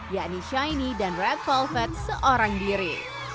yakni shine dan red velvet seorang diri